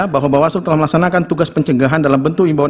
bahwa bawaslu telah melaksanakan tugas pencegahan dalam bentuk imbauan